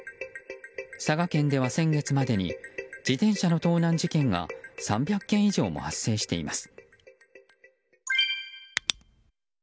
佐賀県では先月までに自転車の盗難事件が３００件以上も発生しています。